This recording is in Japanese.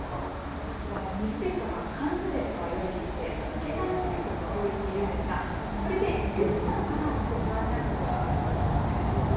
私は水ですとか缶詰とかあとは携帯用トイレも用意していますがこれで十分なのかなと不安になることがあります。